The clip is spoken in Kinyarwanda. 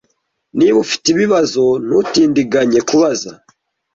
Niba ufite ibibazo, ntutindiganye kubaza.